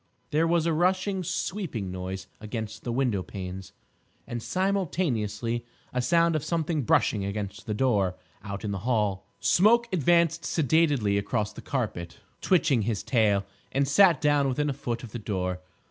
There was a rushing, sweeping noise against the window panes, and simultaneously a sound of something brushing against the door—out in the hall. Smoke advanced sedately across the carpet, twitching his tail, and sat down within a foot of the door.